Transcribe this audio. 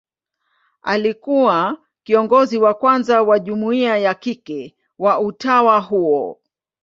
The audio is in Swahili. Alikuwa kiongozi wa kwanza wa jumuia ya kike wa utawa huo.